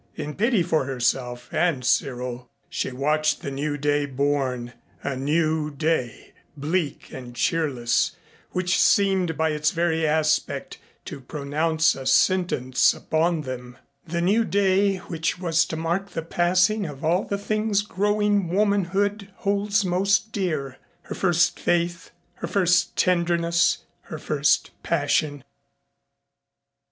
In pity for herself and Cyril she watched the new day born, a new day, bleak and cheerless, which seemed by its very aspect to pronounce a sentence upon them; the new day which was to mark the passing of all the things growing womanhood holds most dear, her first faith, her first tenderness, her first passion.